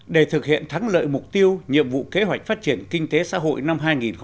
để thực hiện thắng lợi mục tiêu nhiệm vụ kế hoạch phát triển kinh tế xã hội năm hai nghìn hai mươi